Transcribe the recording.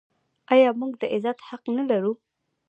آیا موږ د عزت حق نلرو؟